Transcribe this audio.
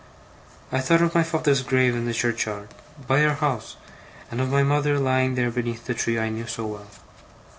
I thought of my father's grave in the churchyard, by our house, and of my mother lying there beneath the tree I knew so well.